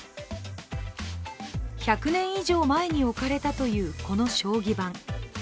１００年以上前に置かれたというこの将棋盤。